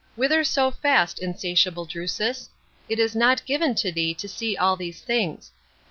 Whither so fast, insatiable Drusus ? It is not given to thee to see all these things.